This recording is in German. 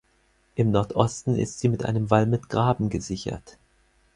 Im Nordosten ist sie mit einem Wall mit Graben gesichert.